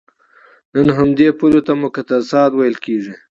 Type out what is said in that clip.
نن همدې پولو ته مقدسات ویل کېږي.